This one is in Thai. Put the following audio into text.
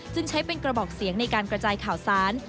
จึงใช้เป็นกระบอกเสียงในการกระจายข่าวสาร